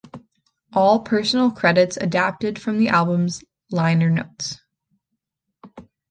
All personnel credits adapted from the album's liner notes.